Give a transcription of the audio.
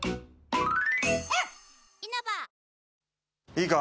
いいか？